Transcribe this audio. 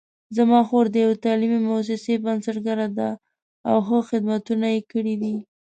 زما خور د یوې تعلیمي مؤسسې بنسټګره ده او ښه خدمتونه یې کړي دي